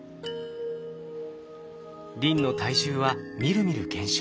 リンの体重はみるみる減少。